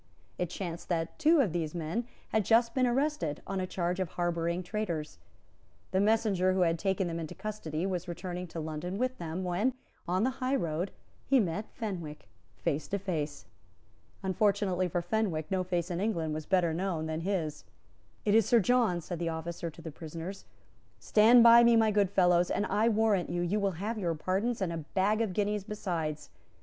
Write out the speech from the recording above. It chanced that two of these men had just been arrested on a charge of harbouring traitors. The messenger who had taken them into custody was returning to London with them, when, on the high road, he met Fenwick face to face. Unfortunately for Fenwick, no face in England was better known than his. "It is Sir John," said the officer to the prisoners: "Stand by me, my good fellows, and, I warrant you, you will have your pardons, and a bag of guineas besides."